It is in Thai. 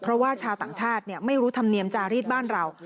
เพราะว่าชาวต่างชาติไม่รู้ธรรมเนียมจารีสบ้านเรา